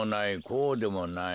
こうでもない。